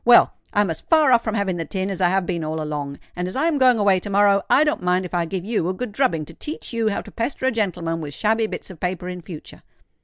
Well—I'm as far off from having the tin as I have been all along; and as I am going away to morrow, I don't mind if I give you a good drubbing to teach you how to pester a gentleman with shabby bits of paper in future."